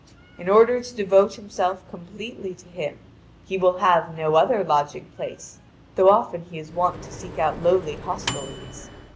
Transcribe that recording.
In order to devote himself completely to him, he will have no other lodging place, though often he is wont to seek out lowly hostelries.